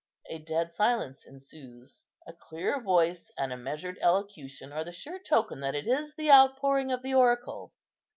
A dead silence ensues; a clear voice and a measured elocution are the sure token that it is the outpouring of the oracle.